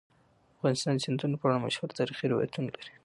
افغانستان د سیندونه په اړه مشهور تاریخی روایتونه لري.